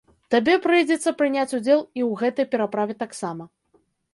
Табе прыйдзецца прыняць удзел і ў гэтай пераправе таксама.